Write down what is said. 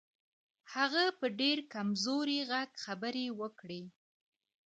هغه په ډېر کمزوري غږ خبرې وکړې.